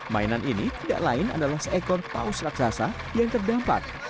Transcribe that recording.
mainan ini tidak lain adalah seekor paus raksasa yang terdampak